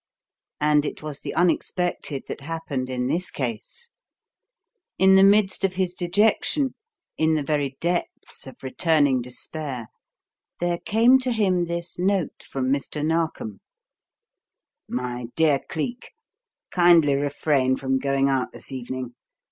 And it was the unexpected that happened in this case. In the midst of his dejection, in the very depths of returning despair, there came to him this note from Mr. Narkom: "My Dear Cleek, "Kindly refrain from going out this evening.